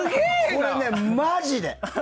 これ、マジで。